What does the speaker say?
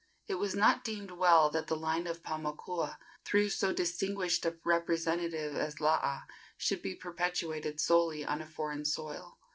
It was not deemed well that the line of Paumakua, through so distinguished a representative as Laa, should be perpetuated solely on a foreign soil.